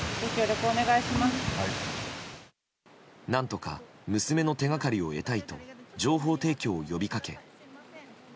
何とか娘の手掛かりを得たいと情報提供を呼びかけ